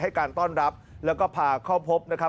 การต้อนรับแล้วก็พาเข้าพบนะครับ